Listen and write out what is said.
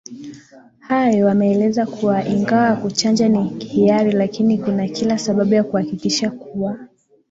hayo wameeleza kuwa ingawa kuchanja ni hiari lakini kuna kila sababu ya kuhakikisha kuwa